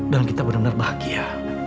dan kita benar benar bahagia